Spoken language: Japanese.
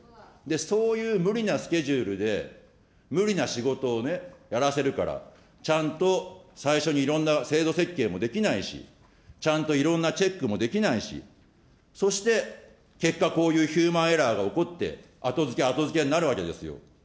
そういう無理なスケジュールで、無理な仕事をね、やらせるから、ちゃんと最初にいろんな制度設計もできないし、ちゃんといろんなチェックもできないし、そして、結果、こういうヒューマンエラーが起こって、後付け、後付けになるわけですよ。